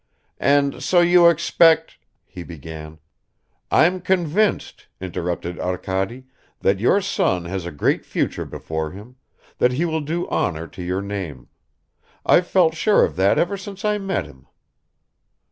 "And so you expect ...," he began. "I'm convinced," interrupted Arkady, "that your son has a great future before him, that he will do honor to your name. I've felt sure of that ever since I met him."